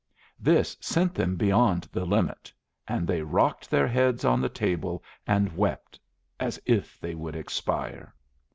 This sent them beyond the limit; and they rocked their heads on the table and wept as if they would expire.